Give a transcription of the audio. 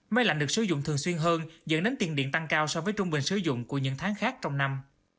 máy lạnh được sử dụng thường xuyên hơn dẫn đến tiền điện tăng cao so với trung bình sử dụng của những tháng khác trong năm